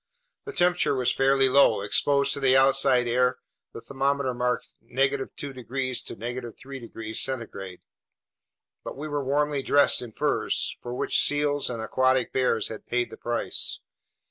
The temperature was fairly low. Exposed to the outside air, the thermometer marked 2 degrees to 3 degrees centigrade. But we were warmly dressed in furs, for which seals and aquatic bears had paid the price.